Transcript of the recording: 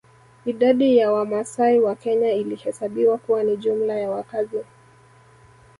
Idadi ya Wamasai wa Kenya ilihesabiwa kuwa ni jumla ya wakazi